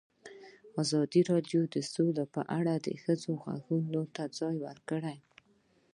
ازادي راډیو د سوله په اړه د ښځو غږ ته ځای ورکړی.